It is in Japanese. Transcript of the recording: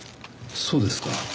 そうですか。